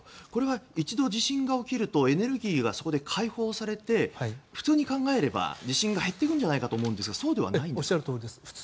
一度地震が起きるとエネルギーがそこで開放されて普通に考えれば地震が減っていくんじゃないかと考えるんですがそうではないんですね。